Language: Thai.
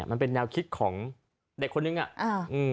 เออนี่เป็นแนวคิดของเด็กคนนึงอ่ะ